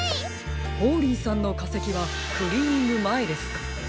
ホーリーさんのかせきはクリーニングまえですか？